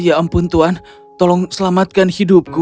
ya ampun tuhan tolong selamatkan hidupku